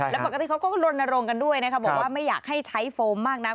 และปกติเขาก็ลนลงกันด้วยนะครับบอกว่าไม่อยากให้ใช้โฟมมากนะครับ